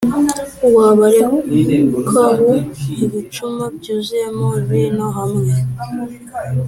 w Abarekabu ibicuma byuzuyemo vino hamwe